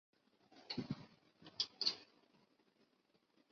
他们个人的困境也交织贯穿本书。